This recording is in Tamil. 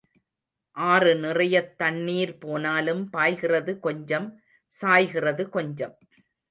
ஆறு நிறையத் தண்ணீர் போனாலும் பாய்கிறது கொஞ்சம், சாய்கிறது கொஞ்சம்.